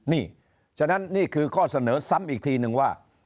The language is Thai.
นี่ฉะนั้นนี่คือข้อเสนอซ้ำอีกทีนึงว่า